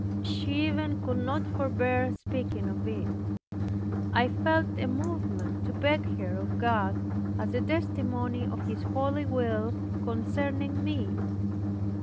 She even could not forbear speaking of it. I felt a movement to beg her of God, as a testimony of His holy will concerning me.